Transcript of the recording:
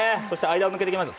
間を抜けていきました。